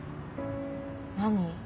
何？